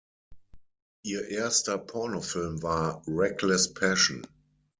Ihr erster Pornofilm war "Reckless Passion".